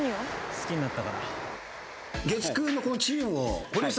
「好きになったから」